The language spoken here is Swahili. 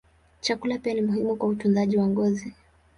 Chakula pia ni muhimu kwa utunzaji wa ngozi.